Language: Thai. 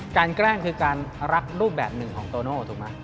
แกล้งคือการรักรูปแบบหนึ่งของโตโน่ถูกไหม